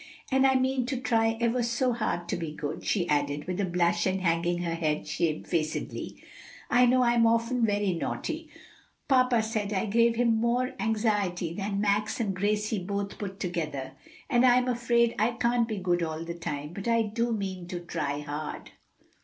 And I mean to try ever so hard to be good," she added, with a blush and hanging her head shamefacedly. "I know I'm often very naughty; papa said I gave him more anxiety than Max and Gracie both put together; and I'm afraid I can't be good all the time, but I do mean to try hard."